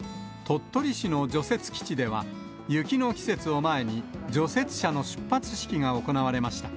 鳥取市の除雪基地では、雪の季節を前に、除雪車の出発式が行われました。